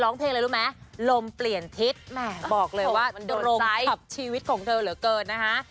ร้องเพลงอะไรรู้ไหมลมเปลี่ยนทิศแหมบอกเลยว่ามันตรงกับชีวิตของเธอเหลือเกินนะคะ